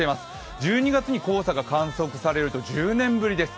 １２月に黄砂が観測されると１０年ぶりです。